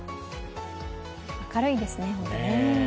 明るいですね、本当にね。